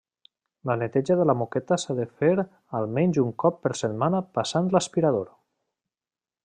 La neteja de la moqueta s'ha de fer almenys un cop per setmana passant l'aspirador.